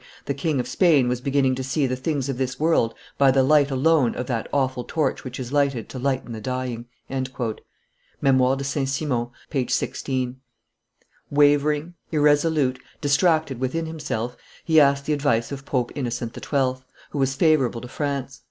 "The King of Spain was beginning to see the, things of this world by the light alone of that awful torch which is lighted to lighten the dying." [Memoires de St. Simon, t. iii. p. 16]; wavering, irresolute, distracted within himself, he asked the advice of Pope Innocent XII., who was favorable to France.